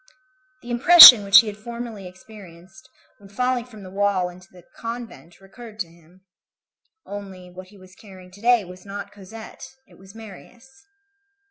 The impression which he had formerly experienced when falling from the wall into the convent recurred to him. Only, what he was carrying to day was not Cosette; it was Marius.